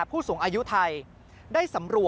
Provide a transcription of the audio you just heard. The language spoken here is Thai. กลับวันนั้นไม่เอาหน่อย